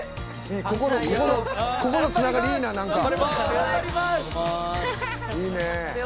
ここのつながりいいな、なんか。